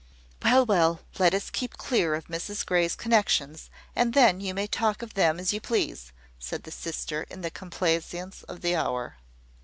"Well, well: let us keep clear of Mrs Grey's connexions, and then you may talk of them as you please," said the sister, in the complaisance of the hour.